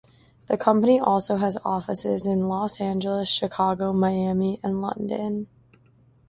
The company also has offices in Los Angeles, Chicago, Miami, and London.